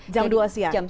jam dua siang